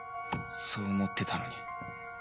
そう思ってたのに。